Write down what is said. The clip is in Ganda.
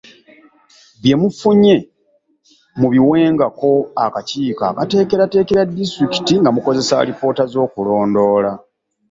Bye mufunye mubiwengako Akakiiko Akateekerateekera Disitulikiti nga mukozesa alipoota z’okulondodola.